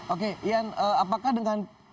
oke ian apakah dengan